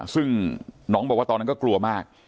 ซึ่งน้องบอกว่าตอนนั้นก็กลัวมาก